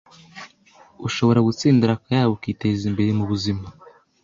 ushobora gutsindira akayabo ukiteza imbere mu buzima".